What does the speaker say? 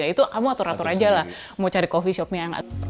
itu kamu atur atur aja lah mau cari coffee shopnya nggak ada